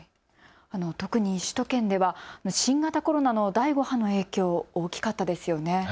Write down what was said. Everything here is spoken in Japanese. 特に首都圏では新型コロナの第５波の影響、大きかったですよね。